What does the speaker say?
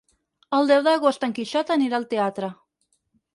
El deu d'agost en Quixot anirà al teatre.